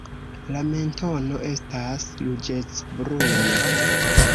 La mentono estas ruĝecbruna.